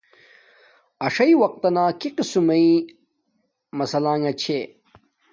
اݽ وقتنا کی قسم مݵ اے اݵ مسلہ نݣ چھے